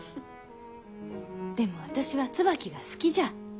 でも私は椿が好きじゃ。